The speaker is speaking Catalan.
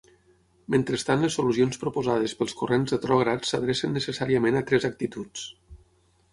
Mentrestant les solucions proposades pels corrents retrògrads s'adrecen necessàriament a tres actituds.